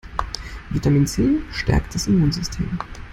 Vitamin C stärkt das Immunsystem.